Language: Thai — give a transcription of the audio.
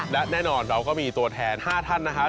และแน่นอนเราก็มีตัวแทน๕ท่านนะคะ